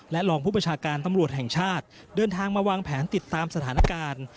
รองผู้ประชาการตำรวจแห่งชาติเดินทางมาวางแผนติดตามสถานการณ์